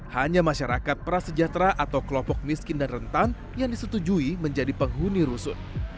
hanya masyarakat prasejahtera atau kelompok miskin dan rentan yang disetujui menjadi penghuni rusun